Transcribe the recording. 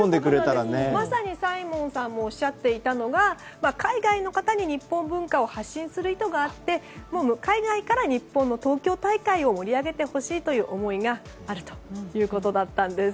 まさにサイモンさんもおっしゃっていたのは海外の方に日本文化を発信する意図があって海外から日本の東京大会を盛り上げてほしいという思いがあるということだったんです。